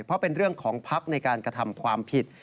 เพราะเป็นเรื่องของภักดิ์ในการกระทำความผิด